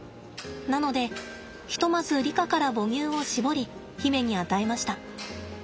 なのでひとまずリカから母乳を搾り媛に与えました。